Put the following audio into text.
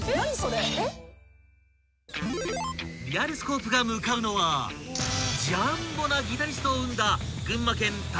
［リアルスコープが向かうのはジャンボなギタリストを生んだ］